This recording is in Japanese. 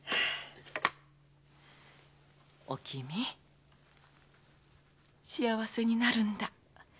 おきみ幸せになるんだ。